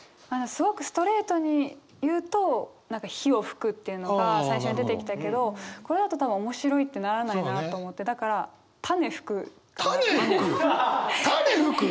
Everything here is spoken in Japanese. すごくストレートに言うと「火を吹く」っていうのが最初に出てきたけどこれだと多分面白いってならないなと思ってだから「種吹く」。